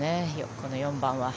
この４番は。